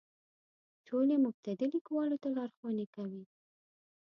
ټول یې مبتدي لیکوالو ته لارښوونې کوي.